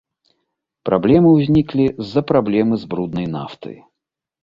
Праблемы ўзніклі з-за праблемы з бруднай нафтай.